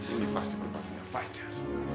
ini pasti berpaktinya fajar